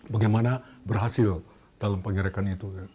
bagaimana berhasil dalam pengerekan itu